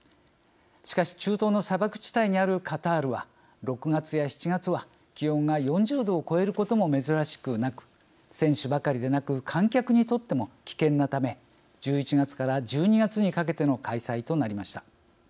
しかし中東の砂漠地帯にあるカタールは６月や７月は気温が４０度を超えることも珍しくなく、選手ばかりでなく観客にとっても危険なため１１月から１２月にかけての開催となりました。